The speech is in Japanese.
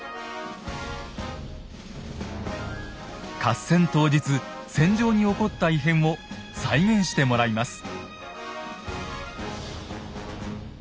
合戦当日戦場に起こった異変を再現してもらいます。